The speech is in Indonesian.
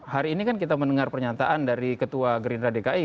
hari ini kan kita mendengar pernyataan dari ketua gerindra dki